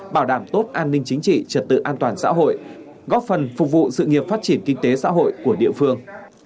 bảo đảm tốt an ninh chính trị trật tự an toàn xã hội góp phần phục vụ sự nghiệp phát triển kinh tế xã hội của địa phương